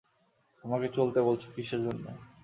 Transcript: আমাকে চলতে বলছ কিসের জন্যে?